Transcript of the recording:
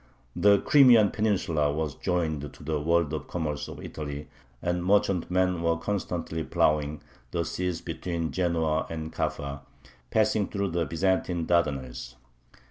The Crimean Peninsula was joined to the world commerce of Italy, and merchantmen were constantly ploughing the seas between Genoa and Kaffa, passing through the Byzantine Dardanelles.